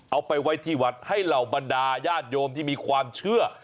เอาไปไว้ที่วัดให้เหล่าบรรดาญาติโยมที่มีความเชื่อ